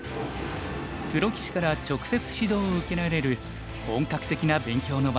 プロ棋士から直接指導を受けられる本格的な勉強の場です。